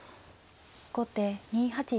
後手２八竜。